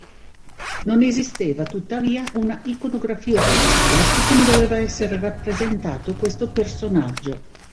Non esisteva, tuttavia, una iconografia ufficiale su come doveva essere rappresentato questo personaggio.